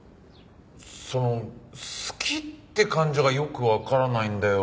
その好きって感情がよくわからないんだよ。